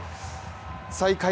最下位